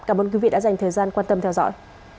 cảm ơn quý vị đã dành thời gian quan tâm theo dõi